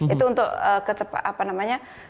itu untuk kecepatan apa namanya